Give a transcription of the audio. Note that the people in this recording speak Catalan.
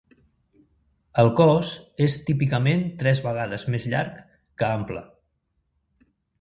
El cos és típicament tres vegades més llarg que ample.